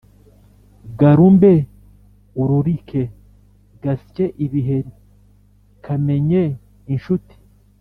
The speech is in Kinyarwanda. garumbe ururike ; gasye ibiheri; kamenye inshuti;